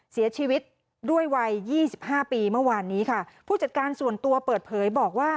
เสียชีวิตด้วยวัยยี่สิบห้าปีเมื่อวานนี้ค่ะผู้จัดการส่วนตัวเปิดเผยบอกว่า